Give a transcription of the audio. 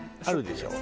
ある！